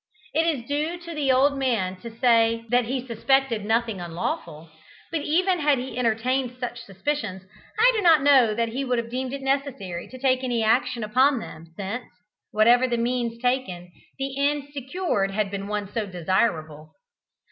It is due to the old man to say that he suspected nothing unlawful, but even had he entertained such suspicions, I do not know that he would have deemed it necessary to take any action upon them, since, whatever the means taken, the end secured had been one so desirable.